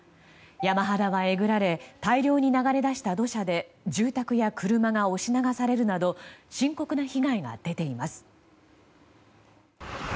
山肌はえぐられ大量に流れ出した土砂で住宅や車が押し流されるなど深刻な被害が出ています。